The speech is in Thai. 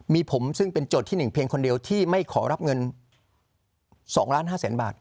มีผมซึ่งเป็นโจทย์ที่๑เพียงคนเดียวที่ไม่ขอรับเงิน๒ล้าน๕แสนบาท